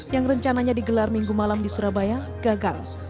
yang rencananya digelar minggu malam di surabaya gagal